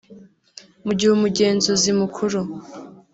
Mu gihe Umugenzuzi Mukuru